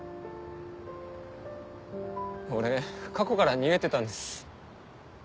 俺過去から逃げてたんです。